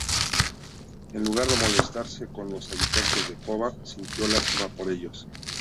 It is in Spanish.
En lugar de molestarse con los habitantes de Koba, sintió lástima por ellos.